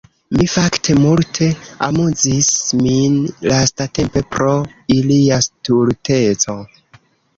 Mi fakte multe amuzis min lastatempe pro ilia stulteco.